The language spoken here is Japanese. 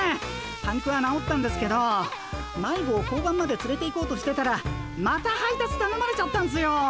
パンクは直ったんですけど迷子を交番までつれていこうとしてたらまた配達たのまれちゃったんすよ。